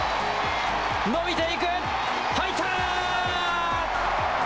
伸びていく、入った！